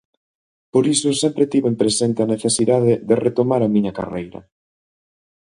Por iso sempre tiven presente a necesidade de retomar a miña carreira.